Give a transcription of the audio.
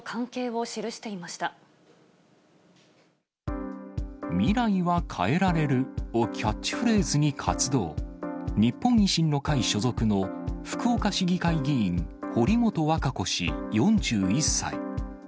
をキャッチフレーズに活動、日本維新の会所属の福岡市議会議員、堀本和歌子氏４１歳。